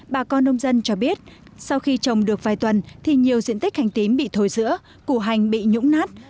bà con nông dân cho biết sau khi trồng được vài tuần thì nhiều diện tích hành tím bị thổi giữa củ hành bị nhũng nát